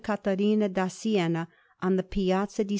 Caterina da Siena on the Piazza di S.